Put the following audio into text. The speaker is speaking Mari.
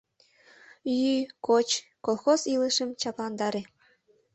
Йӱ, коч, колхоз илышым чапландаре.